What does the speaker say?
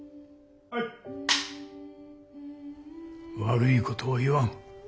悪いことは言わん。